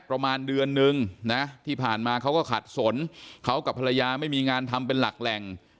ประมาณเดือนนึงนะที่ผ่านมาเขาก็ขัดสนเขากับภรรยาไม่มีงานทำเป็นหลักแหล่ง